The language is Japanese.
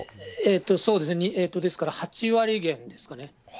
そうですね、ですから８割減ですかね。